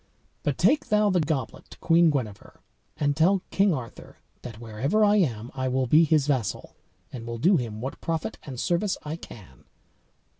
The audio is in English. But take thou the goblet to Queen Guenever, and tell King Arthur that, wherever I am, I will be his vassal, and will do him what profit and service I can."